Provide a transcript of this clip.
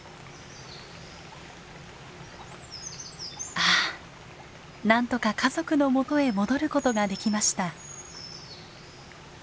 ああなんとか家族のもとへ戻ることができました。